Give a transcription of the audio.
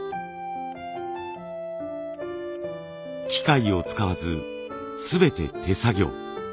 機械を使わず全て手作業。